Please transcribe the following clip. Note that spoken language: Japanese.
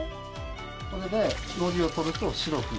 これでのりを取ると白く。